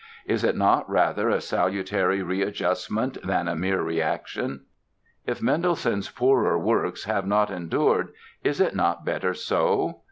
Is it not, rather, a salutary readjustment than a mere reaction? If Mendelssohn's poorer works have not endured is it not better so?